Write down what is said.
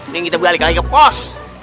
ini kita balik lagi ke pos